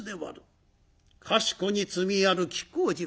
かしこに積みある亀甲縞。